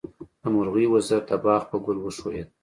د مرغۍ وزر د باغ په ګل وښویېد.